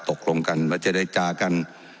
ตกลงกันมาเจรจากัน